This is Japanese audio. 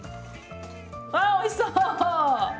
わおいしそう！